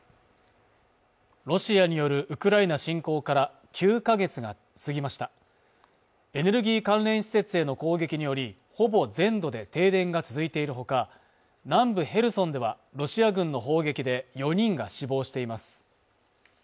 ロシアによるウクライナ侵攻から９か月が過ぎましたエネルギー関連施設への攻撃によりほぼ全土で停電が続いているほか南部ヘルソンではロシア軍の砲撃で４人が死亡しています